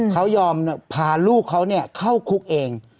เขายอมพาลูกเขาเข้าคุกเอง